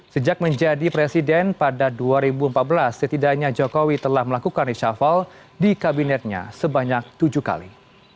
sejak menjadi presiden pada dua ribu empat belas setidaknya jokowi telah melakukan reshuffle di kabinetnya sebanyak tujuh kali